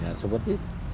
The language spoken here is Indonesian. ya seperti itu